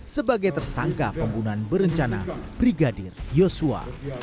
sebagai tersangka pembunuhan berencana brigadir yosua